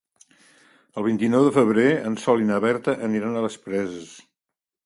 El vint-i-nou de febrer en Sol i na Berta aniran a les Preses.